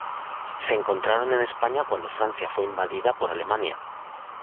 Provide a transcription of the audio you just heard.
Se encontraron en España cuando Francia fue invadida por Alemania.